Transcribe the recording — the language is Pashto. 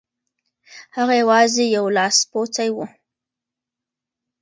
هغه یوازې یو لاسپوڅی و.